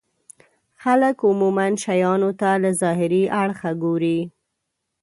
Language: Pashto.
خلک عموما شيانو ته له ظاهري اړخه ګوري.